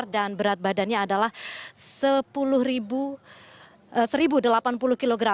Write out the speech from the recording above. dan berat badannya adalah seribu delapan puluh kg